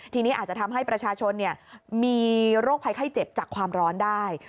ทีนี้อาจจะทำให้ประชาชนมีโรคภัยไข้เจ็บจากความร้อนได้